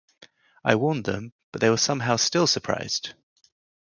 I warned them, but they were somehow still surprised!